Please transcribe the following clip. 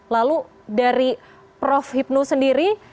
lalu dari prof hipnu sendiri